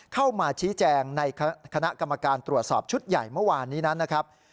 เข้ามาชี้แจงในคณะกรรมการตรวจสอบชุดใหญ่เมื่อวานนี้นั้นนะครับ